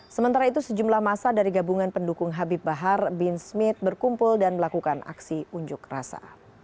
sementara itu sejumlah masa dari gabungan pendukung habib bahar bin smith berkumpul dan melakukan aksi unjuk rasa